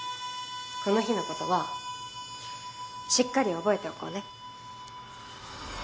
この日の事はしっかり覚えておこうね。